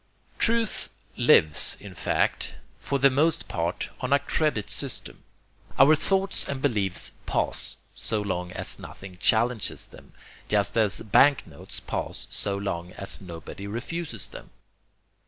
Truth lives, in fact, for the most part on a credit system. Our thoughts and beliefs 'pass,' so long as nothing challenges them, just as bank notes pass so long as nobody refuses them.